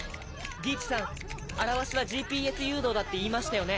理一さん「あらわし」はＧＰＳ誘導だって言いましたよね？